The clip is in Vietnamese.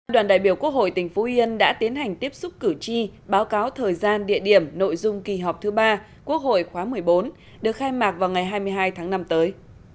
đoàn đại biểu quốc hội tỉnh phú yên đã tiến hành tiếp xúc cử tri báo cáo thời gian địa điểm nội dung kỳ họp thứ ba quốc hội khóa một mươi bốn được khai mạc vào ngày hai mươi hai tháng năm tới